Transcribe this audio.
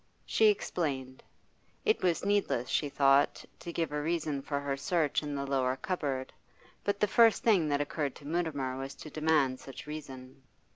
She explained. It was needless, she thought, to give a reason for her search in the lower cupboard; but the first thing that occurred to Mutimer was to demand such reason.